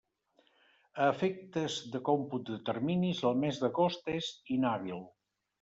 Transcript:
A efectes de còmput de terminis, el mes d'agost és inhàbil.